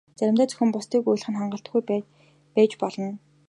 Заримдаа зөвхөн бусдыг уучлах нь хангалтгүй байж болно.